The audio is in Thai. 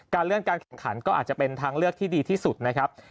เลื่อนการแข่งขันก็อาจจะเป็นทางเลือกที่ดีที่สุดนะครับ